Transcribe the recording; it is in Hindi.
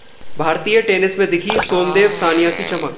भारतीय टेनिस में दिखी सोमदेव-सानिया की चमक